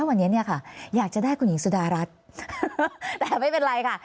วันนี้เนี่ยค่ะอยากจะได้คุณหญิงสุดารัฐแต่ไม่เป็นไรค่ะ